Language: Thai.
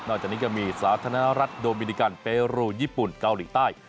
จากนี้ก็มีสาธารณรัฐโดมินิกันเปรูญี่ปุ่นเกาหลีใต้